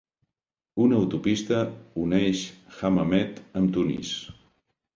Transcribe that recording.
Una autopista uneix Hammamet amb Tunis.